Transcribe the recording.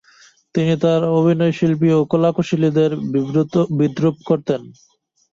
তিনি তার অভিনয়শিল্পী ও কলাকুশলীদের বিদ্রুপ করতেন।